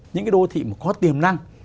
những cái đô thị mà có tiềm năng